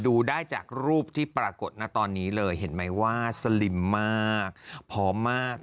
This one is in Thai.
ดูได้จากรูปที่ปรากฏนะตอนนี้เลยเห็นไหมว่าสลิมมากพร้อมมาก